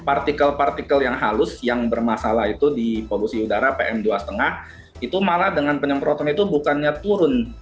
partikel partikel yang halus yang bermasalah itu di polusi udara pm dua lima itu malah dengan penyemprotan itu bukannya turun